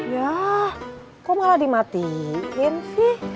ya kok malah dimatiin sih